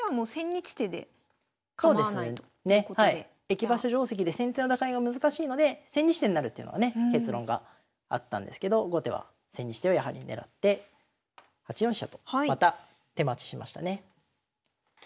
駅馬車定跡で先手は打開が難しいので千日手になるっていうのがね結論があったんですけど後手は千日手をやはり狙って８四飛車とまた手待ちしましたね。